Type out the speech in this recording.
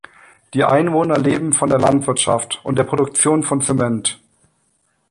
Die Einwohner leben von der Landwirtschaft und der Produktion von Zement.